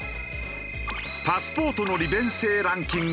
パスポートの利便性ランキング